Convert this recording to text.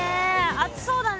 熱そうだね。